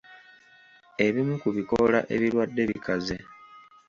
Ebimu ku bikoola ebirwadde bikaze.